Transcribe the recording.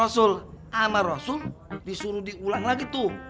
sama rasul disuruh diulang lagi tuh